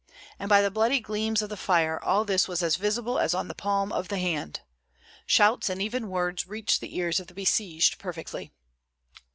And by the bloody gleams of the fire all this was as visible as on the palm of the hand. Shouts, and even words, reached the ears of the besieged perfectly.